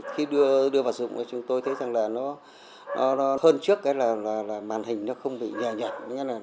khi đưa vào sử dụng chúng tôi thấy hơn trước là màn hình không bị nhò nhọt